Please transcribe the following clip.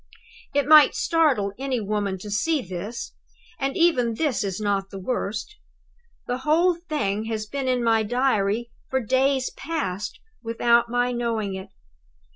"It might startle any woman to see this, and even this is not the worst. The whole thing has been in my Diary, for days past, without my knowing it!